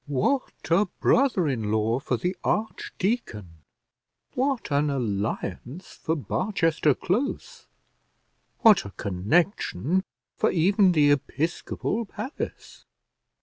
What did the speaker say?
What a brother in law for the archdeacon! what an alliance for Barchester close! what a connection for even the episcopal palace!